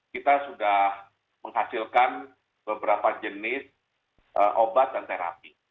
kita sudah menghasilkan beberapa jenis obat dan terapi